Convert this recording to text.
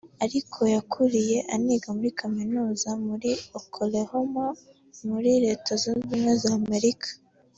ariko yakuriye aniga muri kaminuza mujyi wa Oklahoma muri Leta Zunze Ubumwe za Amerika